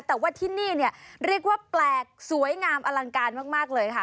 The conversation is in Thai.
แต่ว่าที่นี่เนี่ยเรียกว่าแปลกสวยงามอลังการมากเลยค่ะ